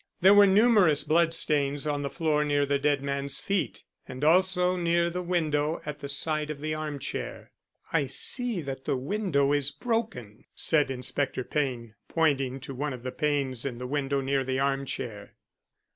There were numerous blood stains on the floor near the dead man's feet, and also near the window at the side of the arm chair. "I see that the window is broken," said Inspector Payne, pointing to one of the panes in the window near the arm chair.